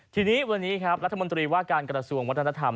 ทีนี้วันนี้ครับรัฐมนตรีว่าการกระทรวงวัฒนธรรม